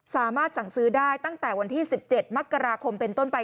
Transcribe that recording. สามารถสั่งซื้อได้ตั้งแต่วันที่๑๗มกราคมเป็นต้นไป